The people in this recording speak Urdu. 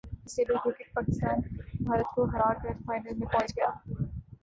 ڈس ایبلڈ کرکٹ پاکستان بھارت کو ہراکر فائنل میں پہنچ گیا